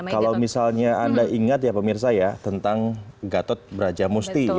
kalau misalnya anda ingat ya pemirsa ya tentang gatot brajamusti